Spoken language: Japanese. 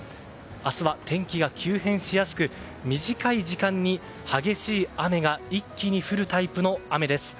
明日は天気が急変しやすく短い時間に激しい雨が一気に降るタイプの雨です。